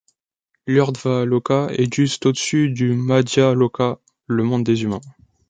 L'Urdhva-loka est juste au-dessus du madhya-loka: le monde des humains.